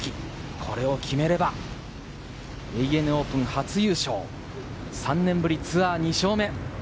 これを決めればＡＮＡオープン初優勝、３年ぶりツアー２勝目。